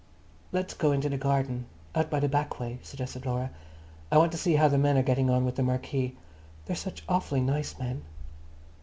"Let's go into the garden, out by the back way," suggested Laura. "I want to see how the men are getting on with the marquee. They're such awfully nice men."